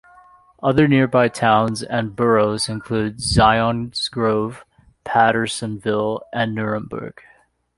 Other nearby towns and buroughs include Zions Grove, Pattersonville, and Nuremberg.